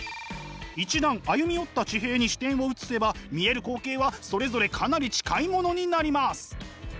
一段歩み寄った地平に視点を移せば見える光景はそれぞれかなり近いものになります。